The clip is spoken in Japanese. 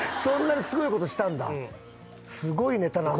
すごいネタなんだ。